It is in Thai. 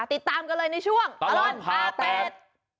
ติดตามกันเลยในช่วงตลอดพาเป็ด